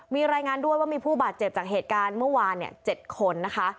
มีรายงานด้วยว่ามีผู้บาดเจ็บจากเหตุการณ์เมื่อวาน๗คนนะคะ